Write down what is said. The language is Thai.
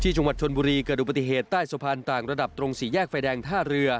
จังหวัดชนบุรีเกิดอุบัติเหตุใต้สะพานต่างระดับตรงสี่แยกไฟแดงท่าเรือ